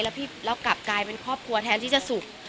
แล้วกลับกลายเป็นครอบครัวแทนที่จะสุข